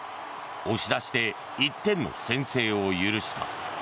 押し出しで１点の先制を許した。